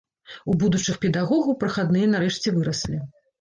У будучых педагогаў прахадныя нарэшце выраслі.